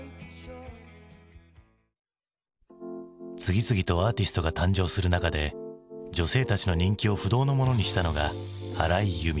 次々とアーティストが誕生する中で女性たちの人気を不動のものにしたのが荒井由実。